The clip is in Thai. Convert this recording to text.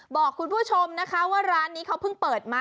บอกคุณผู้ชมนะคะว่าร้านนี้เขาเพิ่งเปิดมา